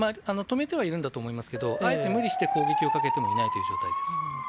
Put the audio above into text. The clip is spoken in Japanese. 止めてはいるんだと思いますけど、あえて無理して攻撃をかけてもいないという状態です。